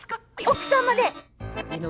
奥さんまで！